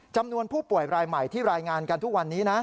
จำนวนผู้ป่วยรายใหม่ที่รายงานกันทุกวันนี้นะ